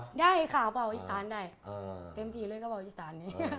ใช่ค่ะเปล่าอีสานได้เต็มทีเลยก็เปล่าอีสาน